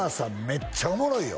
めっちゃおもろいよ